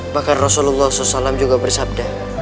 bahkan rasulullah saw juga bersabda